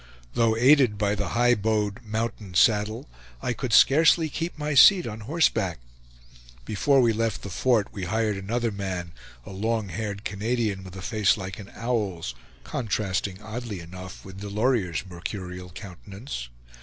Though aided by the high bowed "mountain saddle," I could scarcely keep my seat on horseback. Before we left the fort we hired another man, a long haired Canadian, with a face like an owl's, contrasting oddly enough with Delorier's mercurial countenance.